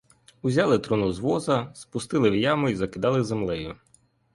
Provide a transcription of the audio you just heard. Узяли труну з воза, спустили в яму й закидали землею.